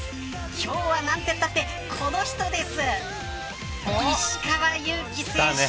今日はなんてったってこの人です。